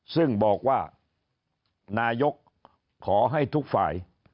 ซึ่งบอกว่านายกขอให้ทุกฝ่าย